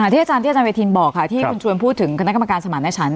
ที่อาจารย์เวียทีนบอกค่ะที่คุณชวนพูดถึงคณะกรรมการสมาร์ทแนะชัน